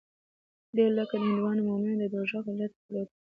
دى لکه د هندوانو مومن د دوږخ او جنت تر منځ پروت دى.